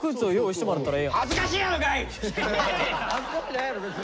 恥ずかしないやろ別に！